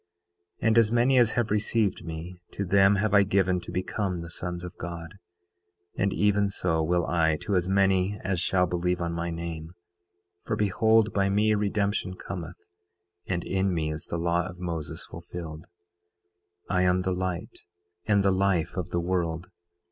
9:17 And as many as have received me, to them have I given to become the sons of God; and even so will I to as many as shall believe on my name, for behold, by me redemption cometh, and in me is the law of Moses fulfilled. 9:18 I am the light and the life of the world.